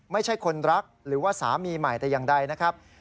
ไม่ใช่คนรักหรือว่าสามีใหม่แต่อย่างใดนะครับ